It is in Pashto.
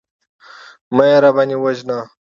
مه يې راباندې وژنه.